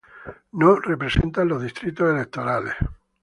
No representan los distritos electorales.